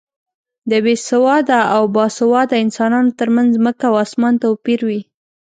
د بې سواده او با سواده انسانو تر منځ ځمکه او اسمان توپیر وي.